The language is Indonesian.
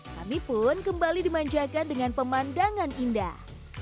kami pun kembali dimanjakan dengan pemandangan indah